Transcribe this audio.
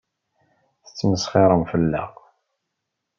Tettmesxiṛem fell-aɣ.